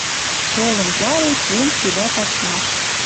Олым яре кен цилӓ качмаш.